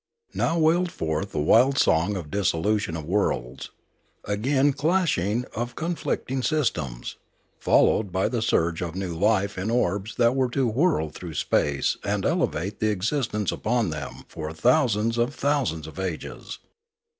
Now wailed forth the wild song of dissolution of worlds, again the clashing of conflicting systems, followed by the surge of new life in orbs that were to whirl through space and elevate the existence upon them for thousands of thousands of ages.